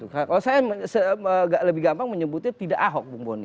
kalau saya lebih gampang menyebutnya tidak ahok bung boni